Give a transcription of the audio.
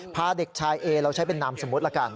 พาเด็กชายเอเราใช้เป็นนามสมมุติละกัน